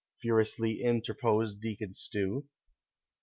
furiously interposed Deacon Stew.